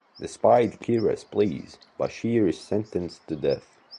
Despite Kira's pleas, Bashir is sentenced to death.